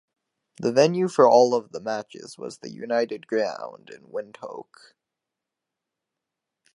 The venue for all of the matches was the United Ground in Windhoek.